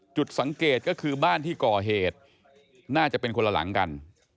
จุดสังเกตก็คือบ้านที่ก่อเหตุน่าจะเป็นคนละหลังกัน